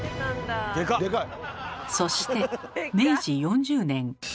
そして明治４０年。